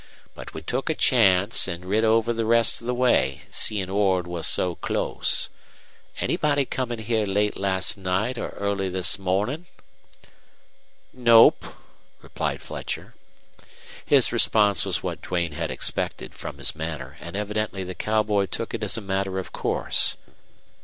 But we took a chance an' rid over the rest of the way, seein' Ord was so close. Anybody come in here late last night or early this mornin'?" "Nope," replied Fletcher. His response was what Duane had expected from his manner, and evidently the cowboy took it as a matter of course.